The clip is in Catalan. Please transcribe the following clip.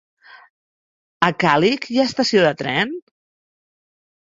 A Càlig hi ha estació de tren?